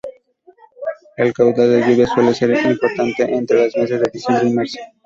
El caudal de lluvias suele ser importante entre los meses de diciembre y marzo.